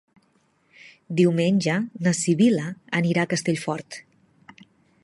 Diumenge na Sibil·la anirà a Castellfort.